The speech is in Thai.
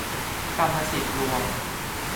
กรรมสิทธิ์รวม